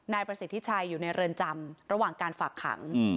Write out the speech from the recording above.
นายประสิทธิชัยอยู่ในเรือนจำระหว่างการฝากขัง